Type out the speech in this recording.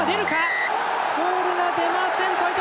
ボールが出ません。